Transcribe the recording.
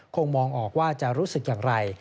คงมองออกว่าจะรู้สึกอย่างไร